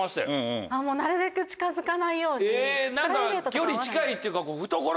距離近いっていうか。